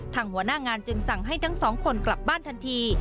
หัวหน้างานจึงสั่งให้ทั้งสองคนกลับบ้านทันที